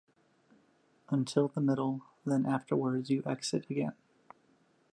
Until the middle, then afterwards you exit again.